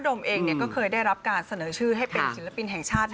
ดมเองก็เคยได้รับการเสนอชื่อให้เป็นศิลปินแห่งชาติ